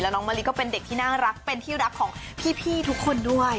น้องมะลิก็เป็นเด็กที่น่ารักเป็นที่รักของพี่ทุกคนด้วย